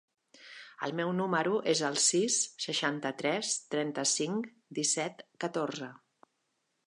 El meu número es el sis, seixanta-tres, trenta-cinc, disset, catorze.